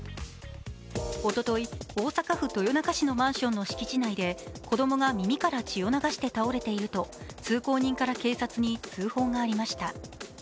おととい、大阪府豊中市のマンションの敷地内で子供が耳から血を流して倒れていると、通行人から警察に通報がありました。